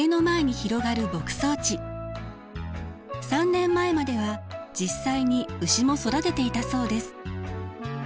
３年前までは実際に牛も育てていたそうです。